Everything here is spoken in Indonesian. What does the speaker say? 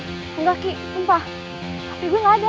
enggak ki sumpah tapi gue gak ada